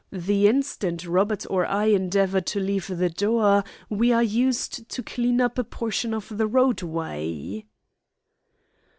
The instant Robert or I endeavour to leave the door we are used to clean up a portion of the roadway."